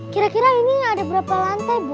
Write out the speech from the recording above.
kira kira ini ada berapa lantai bu